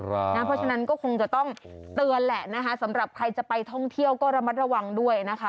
เพราะฉะนั้นก็คงจะต้องเตือนแหละนะคะสำหรับใครจะไปท่องเที่ยวก็ระมัดระวังด้วยนะคะ